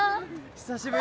久しぶり。